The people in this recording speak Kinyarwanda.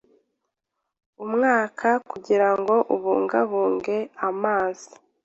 Umwaka kugirango ubungabunge amazi